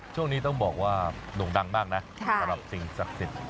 ช่วงนี้ต้องบอกว่าโด่งดังมากนะสำหรับสิ่งศักดิ์สิทธิ์